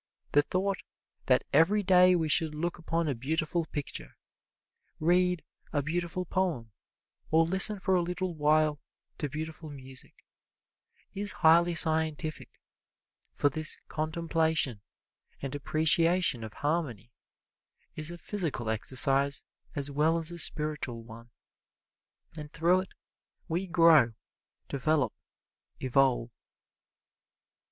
The thought that every day we should look upon a beautiful picture, read a beautiful poem, or listen for a little while to beautiful music, is highly scientific, for this contemplation and appreciation of harmony is a physical exercise as well as a spiritual one, and through it we grow, develop, evolve.